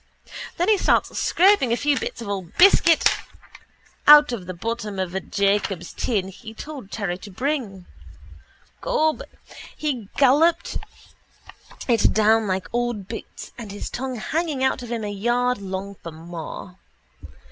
Then he starts scraping a few bits of old biscuit out of the bottom of a Jacobs' tin he told Terry to bring. Gob, he golloped it down like old boots and his tongue hanging out of him a yard long for more.